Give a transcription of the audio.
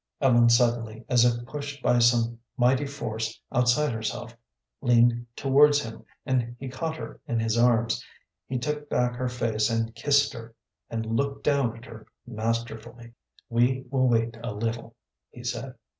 Ellen suddenly, as if pushed by some mighty force outside herself, leaned towards him, and he caught her in his arms. He tipped back her face and kissed her, and looked down at her masterfully. "We will wait a little," he said.